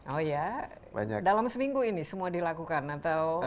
oh iya dalam seminggu ini semua dilakukan atau